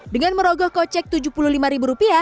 dengan merogoh kocek rp tujuh puluh lima